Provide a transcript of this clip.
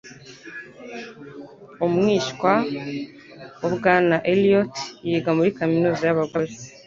Umwishywa wa Bwana Eliot yiga muri kaminuza y'abagore.